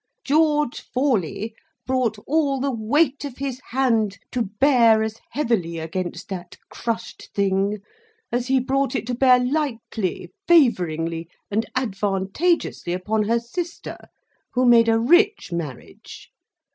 George Forley brought all the weight of his band to bear as heavily against that crushed thing, as he brought it to bear lightly, favouringly, and advantageously upon her sister, who made a rich marriage.